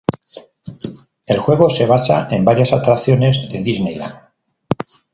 El juego se basa en varias atracciones de Disneyland.